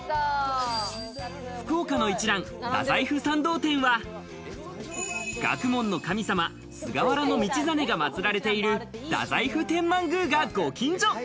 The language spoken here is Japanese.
福岡の一蘭、大宰府参道店は、学問の神様、菅原道真が祭られている太宰府天満宮がご近所。